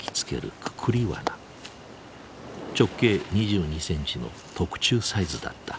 直径２２センチの特注サイズだった。